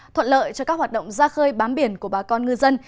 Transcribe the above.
thuận lợi cho các hoạt động ra khơi bám biển của bà con ngư dân